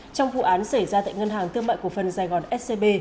trong vụ án xảy ra tại ngân hàng thương mại cổ phần sài gòn scb